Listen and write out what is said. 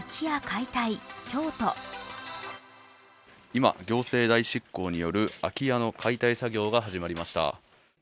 今、行政代執行による空き家の解体作業が始まりました。